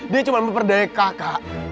dia cuma memperdayai kakak